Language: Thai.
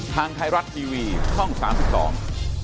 ทางไทยรัตน์ทีวีช่อง๓๒